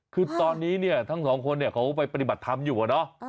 คือตอนนี้เนี่ยทั้งสองคนเนี่ยเขาไปปฏิบัติธรรมอยู่อะเนาะ